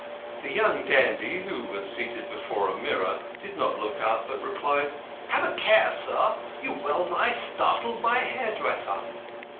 The young dandy, who was seated before a mirror, did not look up, but replied, " Have a care, sir, you well nigh startled my hairdresser."